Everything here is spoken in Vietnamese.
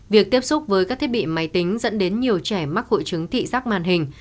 việc tiếp xúc với các thiết bị máy tính dẫn đến nhiều trẻ mắc hội chứng thị giác màn hình